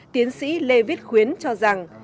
tiến sĩ lê viết khuyến cho rằng